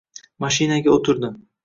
Mashinaga o`tirdim